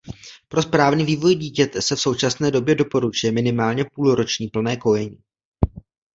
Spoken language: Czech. Pro správný vývoj dítěte se v současné době doporučuje minimálně půlroční plné kojení.